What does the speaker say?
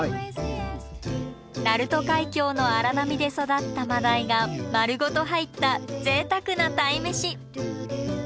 鳴門海峡の荒波で育った真鯛が丸ごと入ったぜいたくな鯛めし。